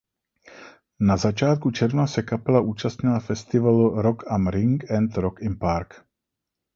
Na začátku června se kapela účastnila festivalu Rock am Ring and Rock im Park.